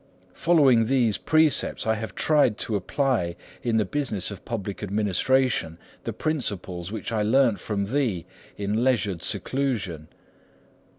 Following these precepts, I have tried to apply in the business of public administration the principles which I learnt from thee in leisured seclusion.